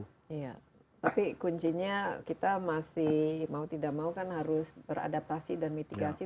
iya tapi kuncinya kita masih mau tidak mau kan harus beradaptasi dan mitigasi